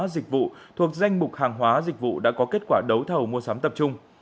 dịch vụ thuộc danh mục hàng hóa dịch vụ đã có kết quả đấu thầu mua sắm tập trung